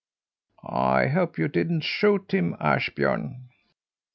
"I hope you didn't shoot him, Ashbjörn?"